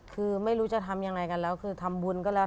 คือไม่รู้จะทำยังไงกันแล้วคือทำบุญก็แล้ว